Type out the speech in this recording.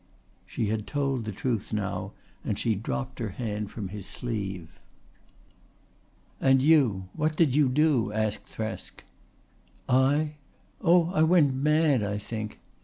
She had told the truth now and she dropped her hand from his sleeve. "And you? What did you do?" asked Thresk. "I? Oh, I went mad, I think.